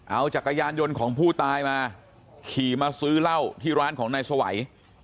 เอาจักรยานยนต์ของผู้ตายมาขี่มาซื้อเหล้าที่ร้านของนายสวัย